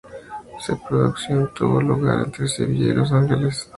Su producción tuvo lugar entre Sevilla y Los Ángeles, por obra de Luis Villa.